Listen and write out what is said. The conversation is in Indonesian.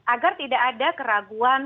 agar tidak ada keraguan